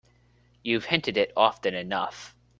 You've hinted it often enough.